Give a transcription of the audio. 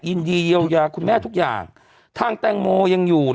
ยินดีเยียวยาคุณแม่ทุกอย่างทางแตงโมยังอยู่